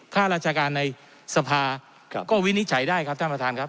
ข้าราชการในสภาก็วินิจฉัยได้ครับท่านประธานครับ